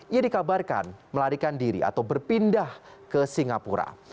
ia dikabarkan melarikan diri atau berpindah ke singapura